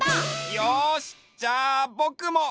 よしじゃあぼくも！